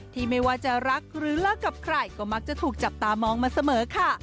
ไม่ว่าจะรักหรือเลิกกับใครก็มักจะถูกจับตามองมาเสมอค่ะ